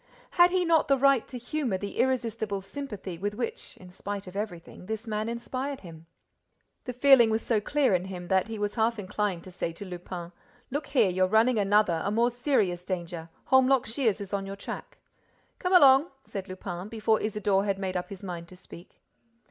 Had he not the right to humor the irresistible sympathy with which, in spite of everything, this man inspired him? The feeling was so clear in him that he was half inclined to say to Lupin: "Look here, you're running another, a more serious danger; Holmlock Shears is on your track." "Come along!" said Lupin, before Isidore had made up his mind to speak.